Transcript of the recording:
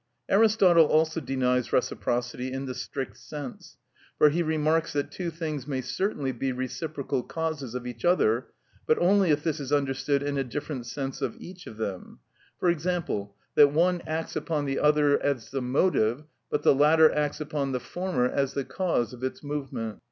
Aristotle also denies reciprocity in the strict sense; for he remarks that two things may certainly be reciprocal causes of each other, but only if this is understood in a different sense of each of them; for example, that one acts upon the other as the motive, but the latter acts upon the former as the cause of its movement.